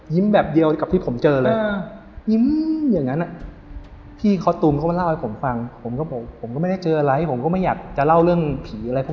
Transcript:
แล้วก็ไม่ได้เจออะไรผมก็ไม่อยากจะเล่าเรื่องผีอะไรพวก